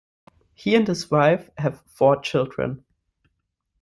He and his wife have four children.